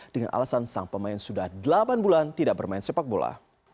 dengan alasan sang pemain sudah delapan bulan tidak bermain sepak bola